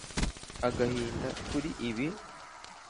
agahinda kuri ibi.